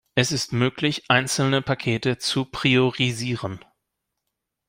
Es ist möglich, einzelne Pakete zu priorisieren.